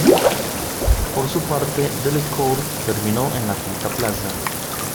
Por su parte, Delecour terminó en la quinta plaza.